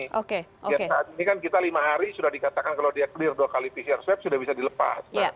saat ini kan kita lima hari sudah dikatakan kalau dia clear dua kali pcr swab sudah bisa dilepas